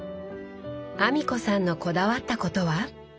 阿美子さんのこだわったことは？